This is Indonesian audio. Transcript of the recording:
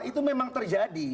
itu memang terjadi